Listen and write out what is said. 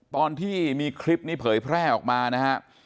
ตอนที่มีคลิปนี้เผยแพร่ออกมานะครับ